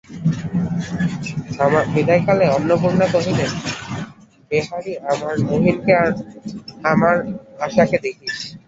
বিদায়কালে অন্নপূর্ণা কহিলেন, বেহারি, আমার মহিনকে আর আমার আশাকে দেখিস।